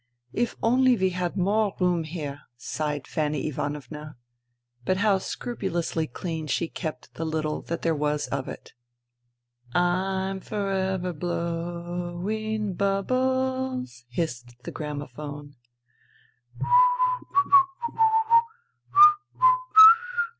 " If only we had more room here," sighed Fanny Ivanovna. But how scrupulously clean she kept the little that there was of it. " I'm for ever blow ing huh bles,'' hissed the gramophone.